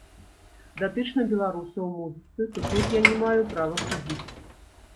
Датычна беларусаў у музыцы, то тут я не маю права судзіць.